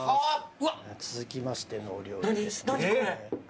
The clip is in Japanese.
続きましてのお料理ですね。